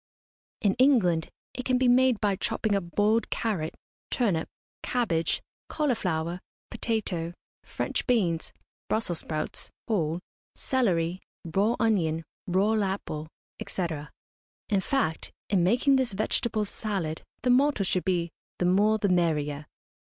In England it can be made by chopping up boiled carrot, turnip, cabbage, cauliflower, potato, French beans, Brussels sprouts (whole), celery, raw onion, raw apple, &c. In fact, in making this vegetable salad the motto should be "the more the merrier."